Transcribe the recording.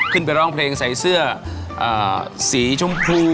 ไปร้องเพลงใส่เสื้อสีชมพู